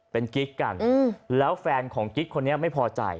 เป็นกิ๊กกันแล้วแฟนของกิ๊กคนนี้ไม่พอใจ